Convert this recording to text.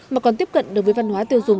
mà còn tiếp cận đối với văn hóa tiêu dùng